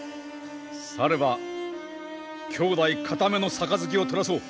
されば兄弟固めの杯をとらそう。